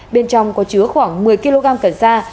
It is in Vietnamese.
bên trong có chứa khoảng một mươi kg cần sa